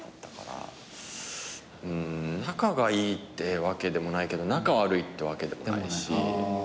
うん仲がいいってわけでもないけど仲悪いってわけでもないし。